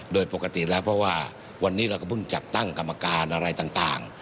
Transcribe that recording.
โดยปกติแล้วเพราะว่าวันนี้เราก็เพิ่งจัดตั้งกรรมการอะไรต่าง